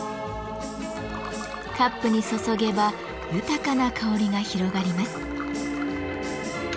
カップに注げば豊かな香りが広がります。